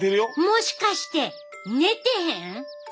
もしかして寝てへん？